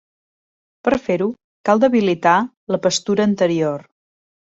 Per fer-ho cal debilitar la pastura anterior.